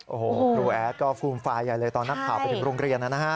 โอ้โหครูแอดก็ฟูมฟายใหญ่เลยตอนนักข่าวไปถึงโรงเรียนนะฮะ